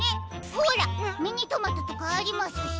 ほらミニトマトとかありますし。